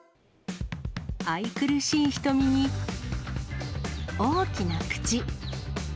愛くるしい瞳に、大きな口。